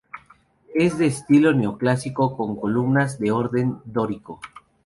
Es de estilo neoclásico con columnas de orden dórico.